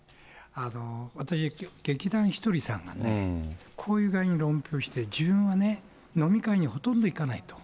私、劇団ひとりさんがね、こういう具合に論評して、自分はね、飲み会にほとんど行かないと。